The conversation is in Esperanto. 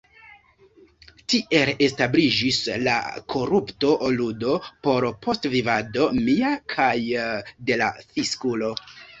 Tiel establiĝis la korupto-ludo, por postvivado mia kaj de la fiskulo!